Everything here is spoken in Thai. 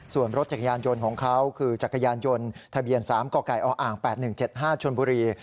ส่วนรถจักรยานยนต์ของเขาคือจักรยานยนต์ทะเบียน๓กกออ๘๑๗๕ชนบุรี